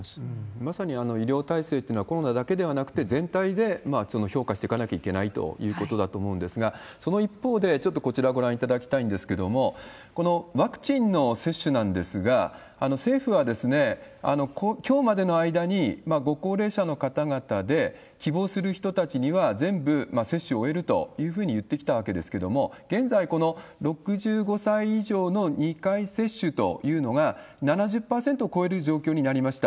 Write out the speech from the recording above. まさに医療体制っていうのは、コロナだけではなくて、全体で評価していかなきゃいけないということだと思うんですが、その一方で、ちょっとこちらをご覧いただきたいんですけれども、このワクチンの接種なんですが、政府はきょうまでの間にご高齢者の方々で、希望する人たちには全部接種を終えるというふうに言ってきたわけですけれども、現在、この６５歳以上の２回接種というのが、７０％を超える状況になりました。